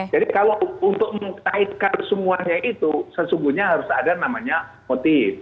jadi kalau untuk mengetahui semuanya itu sesungguhnya harus ada namanya motif